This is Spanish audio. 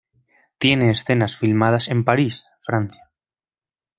Tiene escenas filmadas en París, Francia.